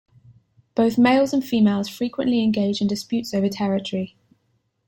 Both males and females frequently engage in disputes over territory.